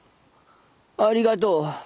ありがとう。